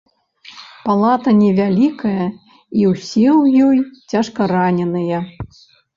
Палата невялікая, і ўсе ў ёй цяжкараненыя.